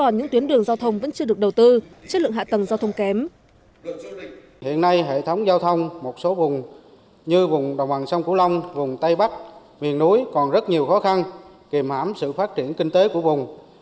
như vùng đồng bằng sông cửu long vùng tây bắc miền núi còn rất nhiều khó khăn kìm hãm sự phát triển kinh tế của vùng